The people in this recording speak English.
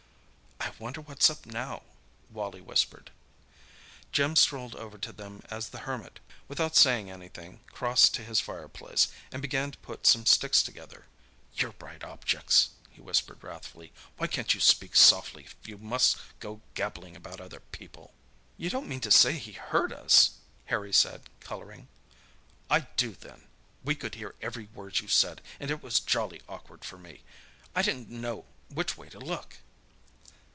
"I wonder what's up now?" Wally whispered. Jim strolled over to them as the Hermit, without saying anything, crossed to his fireplace, and began to put some sticks together. "You're bright objects!" he whispered wrathfully. "Why can't you speak softly if you must go gabbling about other people?" "You don't mean to say he heard us?" Harry said, colouring. "I do, then! We could hear every word you said, and it was jolly awkward for me. I didn't know which way to look."